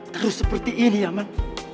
terus seperti ini yaman